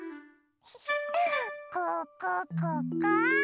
ここここ！